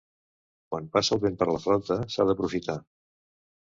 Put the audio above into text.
Quan passa el vent per la flauta, s'ha d'aprofitar.